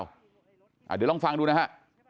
เดี๋ยวลองฟังดูนะฮะ